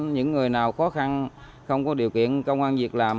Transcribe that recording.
những người nào khó khăn không có điều kiện công an việc làm